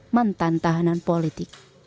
mantan tahanan politik